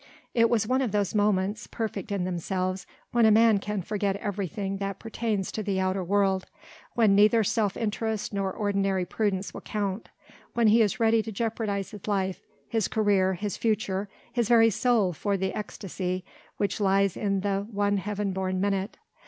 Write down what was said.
It was one of those moments perfect in themselves when a man can forget everything that pertains to the outer world, when neither self interest nor ordinary prudence will count, when he is ready to jeopardize his life, his career, his future, his very soul for the ecstasy which lies in the one heaven born minute.